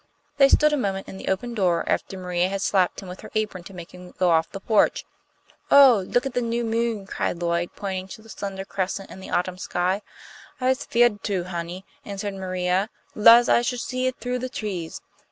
They stood a moment in the open door, after Maria had slapped him with her apron to make him go off the porch. "Oh, look at the new moon!" cried Lloyd, pointing to the slender crescent in the autumn sky. "I'se feared to, honey," answered Maria, "less I should see it through the trees.